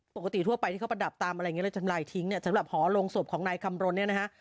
ปกติทั่วไปที่เขาประดับตามอะไรอย่างนี้เลยทำลายทิ้งเนี่ยสำหรับหอลงศพของนายคำรณเนี่ยนะฮะ